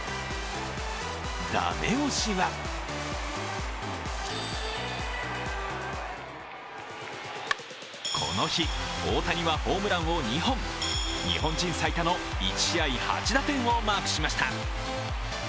ダメ押しはこの日、大谷はホームランを２本日本人最多の１試合８打点をマークしました。